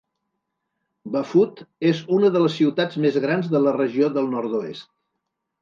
Bafut és una de les ciutats més grans de la regió del nord-oest.